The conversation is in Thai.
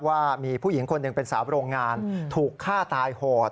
ว่ามีผู้หญิงคนหนึ่งเป็นสาวโรงงานถูกฆ่าตายโหด